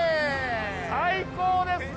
最高ですね！